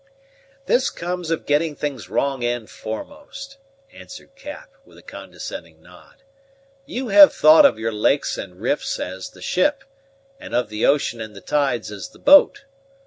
"This comes of getting things wrong end foremost," answered Cap, with a condescending nod. "You have thought of your lakes and rifts as the ship; and of the ocean and the tides as the boat.